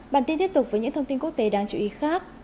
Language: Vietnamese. bản tin tiếp tục với những thông tin quốc tế đáng chú ý khác